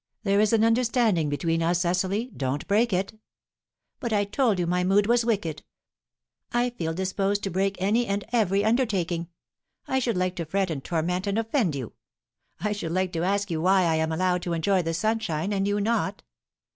"There is an understanding between us, Cecily. Don't break it." "But I told you my mood was wicked. I feel disposed to break any and every undertaking. I should like to fret and torment and offend you. I should like to ask you why I am allowed to enjoy the sunshine, and you not?